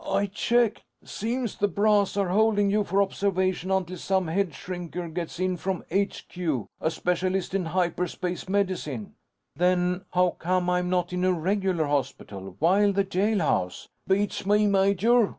"I checked. Seems the brass are holding you for observation until some headshrinker gets in from HQ. A specialist in hyperspace medicine." "Then, how come I'm not in a regular hospital? Why the jailhouse?" "Beats me, major.